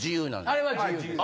あれは自由です。